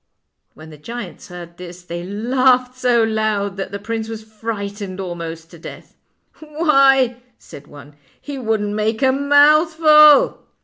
When the giants heard this they laughed so loud that the prince was frightened almost to death. " Why," said one, " he wouldn't make a mouth ful."